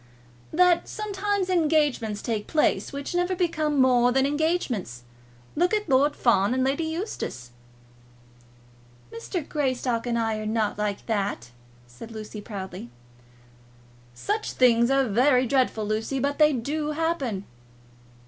"That sometimes engagements take place which never become more than engagements. Look at Lord Fawn and Lady Eustace." "Mr. Greystock and I are not like that," said Lucy, proudly. "Such things are very dreadful, Lucy, but they do happen."